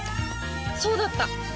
そうだった！